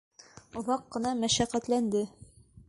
Оҙаҡ ҡына мәшәҡәтләнде.